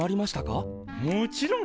もちろん！